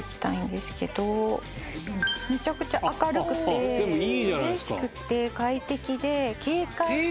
めちゃくちゃ明るくてうれしくて快適で軽快で。